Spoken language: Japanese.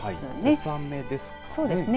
小雨ですかね。